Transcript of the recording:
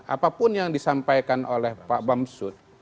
apapun yang disampaikan oleh pak bamsud